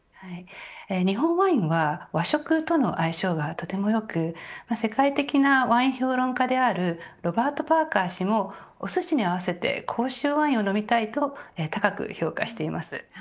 日本ワインは和食との相性がとても良く世界的なワイン評論家であるロバート・パーカー氏もおすしに合わせて甲州ワインを飲みたいと高く評価しています。